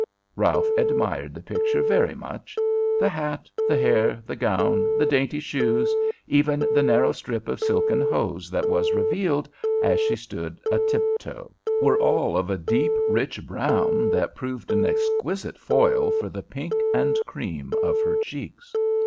Ralph admired the picture very much. The hat, the hair, the gown, the dainty shoes, even the narrow strip of silken hose that was revealed as she stood a uptoe, were all of a deep, rich brown that proved an exquisite foil for the pink and cream of her cheeks.